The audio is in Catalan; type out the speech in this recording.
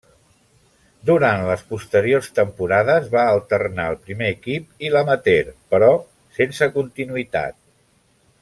Durant les posteriors temporades va alternar el primer equip i l'amateur, però sense continuïtat.